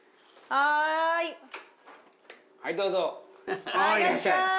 ああいらっしゃい。